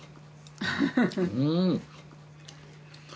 うん。